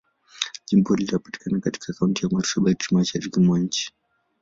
Jimbo linapatikana katika Kaunti ya Marsabit, Mashariki mwa nchi.